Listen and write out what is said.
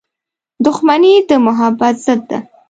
• دښمني د محبت ضد ده.